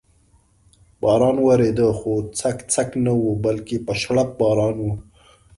باران ورېده، خو څک څک نه و، بلکې په شړپ باران و.